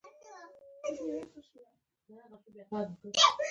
د لاهور پر ښار نایل خور و، هوا خړه پړه وه.